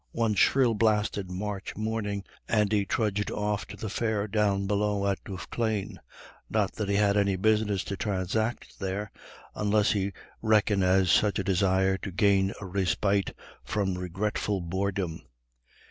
One shrill blasted March morning Andy trudged off to the fair down below at Duffclane not that he had any business to transact there, unless we reckon as such a desire to gain a respite from regretful boredom.